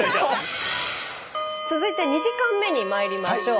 続いて２時間目にまいりましょう。